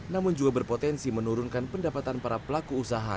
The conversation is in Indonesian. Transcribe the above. namun juga berpotensi menurunkan pendapatan para pelaku usaha